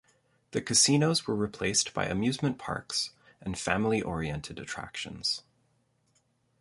The casinos were replaced by amusement parks and family-oriented attractions.